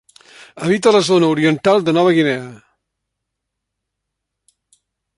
Habita la zona oriental de Nova Guinea.